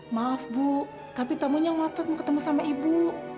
maaf bu tapi tamunya ngotot mau ketemu sama ibu